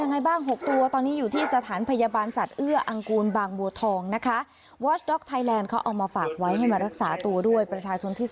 ดีกว่าปล่อยล้างแบบนี้